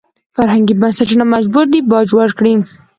فرهنګي بنسټونه مجبور دي باج ورکړي.